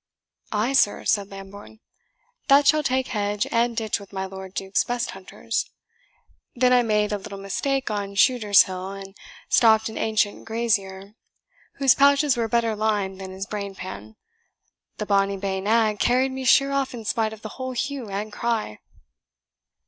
"Ay, sir," said Lambourne, "that shall take hedge and ditch with my Lord Duke's best hunters. Then I made a little mistake on Shooter's Hill, and stopped an ancient grazier whose pouches were better lined than his brain pan, the bonny bay nag carried me sheer off in spite of the whole hue and cry."